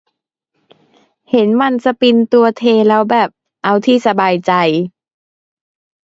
เห็นมันสปินตัวเทแล้วแบบ เอาที่สบายใจ ????